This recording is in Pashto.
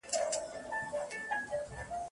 د ابوجهل د غرور په اجاره ختلی